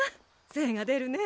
精が出るね。